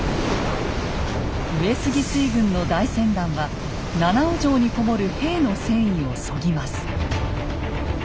上杉水軍の大船団は七尾城に籠もる兵の戦意を削ぎます。